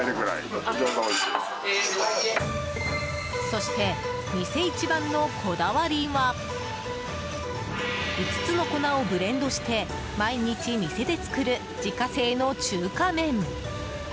そして、店一番のこだわりは５つの粉をブレンドして毎日、店で作る自家製の中華麺。